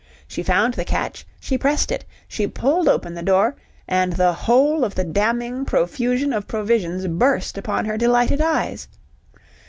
She found the catch, she pressed it, she pulled open the door and the whole of the damning profusion of provisions burst upon her delighted eyes.